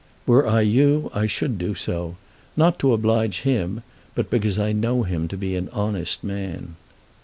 "Were I you I should do so, not to oblige him, but because I know him to be an honest man."